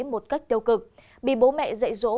một cách tiêu cực bị bố mẹ dạy dỗ